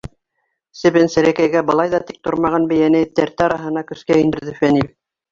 Себен-серәкәйгә былай ҙа тик тормаған бейәне тәртә араһына көскә индерҙе Фәнил.